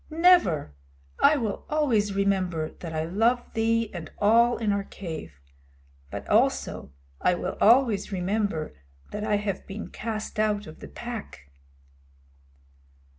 "Never. I will always remember that I love thee and all in our cave. But also I will always remember that I have been cast out of the Pack."